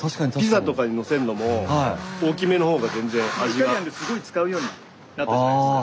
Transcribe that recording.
イタリアンですごい使うようになったじゃないですか。